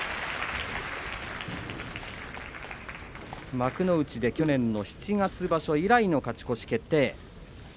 幕内で去年の七月場所以来の勝ち越し決定。